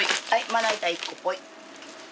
まな板１個ポイ。